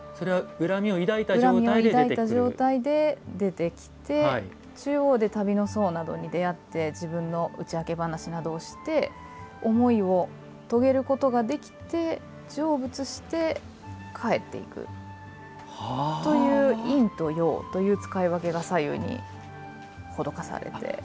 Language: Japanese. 恨みを抱いた状態で出てきて中央で旅の僧などに出会って自分の打ち明け話などをして思いを遂げることができて成仏して、帰っていくという陰と陽という使い分けが左右に施されています。